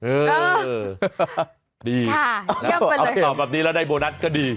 เออดีเอาไปตอบแบบนี้แล้วได้โบนัสก็ดี